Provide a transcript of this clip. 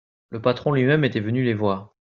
Le patron lui-même était venu les voir.